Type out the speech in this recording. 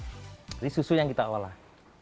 jadi susu yang kita olah